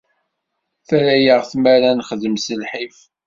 Terra-aɣ tmara ad nexdem s lḥif.